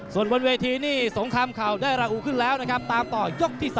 ส่วนบนเวทีนี่สงครามเข่าได้ราหูขึ้นแล้วนะครับตามต่อยกที่๓